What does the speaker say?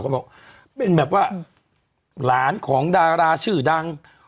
ก็บอกเป็นแบบว่าหลานของดาราชื่อดัง